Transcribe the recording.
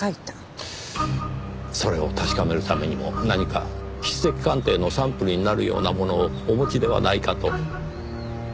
それを確かめるためにも何か筆跡鑑定のサンプルになるようなものをお持ちではないかと。